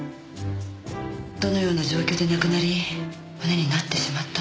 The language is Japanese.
どのような状況で亡くなり骨になってしまったのか。